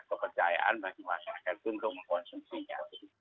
kepercayaan bagi masyarakat untuk mengkonsumsinya